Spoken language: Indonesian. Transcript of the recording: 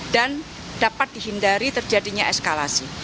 dan dapat dihindari terjadinya eskalasi